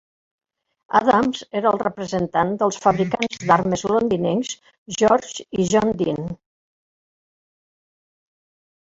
Adams era el representant dels fabricants d'armes londinencs George i John Deane.